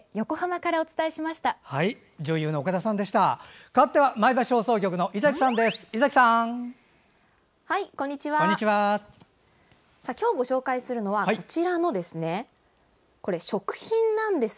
かわっては前橋放送局の伊崎さんです。